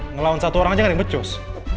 ngelawan satu orang aja gak ada yang becus